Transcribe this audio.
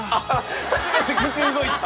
初めて口動いた。